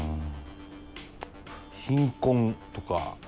貧困とか？